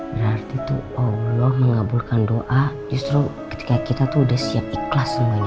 berarti tuh allah mengaburkan doa justru ketika kita tuh udah siap ikhlas semuanya